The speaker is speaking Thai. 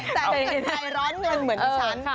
แต่เงินไทยร้อนเงินเหมือนฉัน